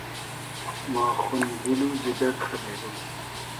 ما خونی دیل و جیگر خئریدوم